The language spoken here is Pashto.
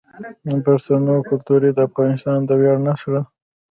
د پښتنو کلتور د افغانستان د ویاړ نښه ده.